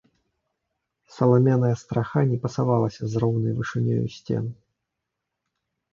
Саламяная страха не пасавалася з роўнаю вышынёю сцен.